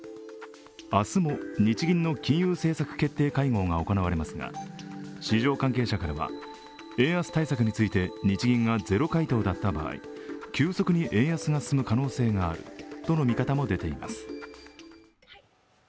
明日も日銀の金融政策決定会合が行われますが市場関係者からは円安対策について日銀がゼロ回答だった場合急速に円安が進む可能性があるとの見方も出ています。